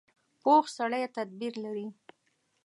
پوخ سړی تدبیر لري